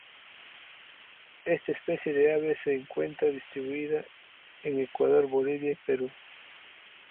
Esta especie de ave se encuentra distribuida en Ecuador, Bolivia y Perú.